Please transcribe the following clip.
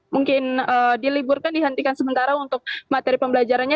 mungkin diliburkan dihentikan sementara untuk materi pembelajarannya